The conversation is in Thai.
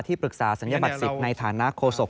ที่ปรึกษาสัญญาบัตรศิกในฐานะโคศก